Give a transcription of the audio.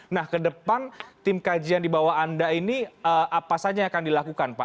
nah ke depan tim kajian di bawah anda ini apa saja yang akan dilakukan pak